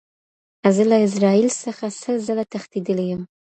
زه له عزراییل څخه سل ځله تښتېدلی یم !.